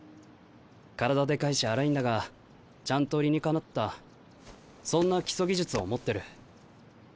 体でかいし粗いんだがちゃんと理にかなったそんな基礎技術を持ってる。